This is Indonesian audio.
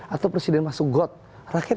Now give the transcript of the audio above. atau presiden masuk got rakyat